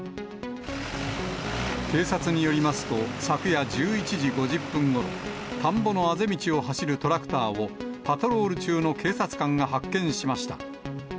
警察によりますと、昨夜１１時５０分ごろ、田んぼのあぜ道を走るトラクターを、パトロール中の警察官が発見しました。